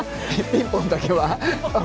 ピンポンだけは。